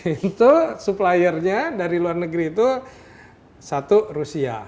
itu suppliernya dari luar negeri itu satu rusia